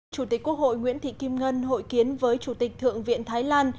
chủ tịch quốc hội nguyễn thị kim ngân hội kiến với chủ tịch thượng viện thái lan